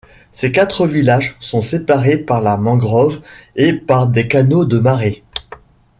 Ces quatre villages sont séparés par la mangrove et par des canaux de marée.